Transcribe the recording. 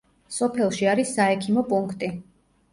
სოფელში არის საექიმო პუნქტი.